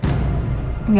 pak al sudah minta